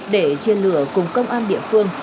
để chiên lửa cùng công an địa phương